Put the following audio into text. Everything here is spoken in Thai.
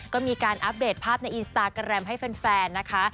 ก็มีการอัปเดตภาพในอินสตาแกรมให้แฟนนะคะ